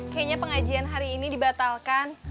kayaknya pengajian hari ini dibatalkan